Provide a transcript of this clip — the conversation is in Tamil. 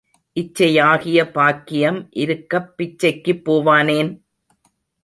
இச்சையாகிய பாக்கியம் இருக்கப் பிச்சைக்குப் போவானேன்?